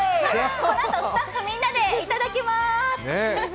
このあとスタッフみんなでいただきまーす。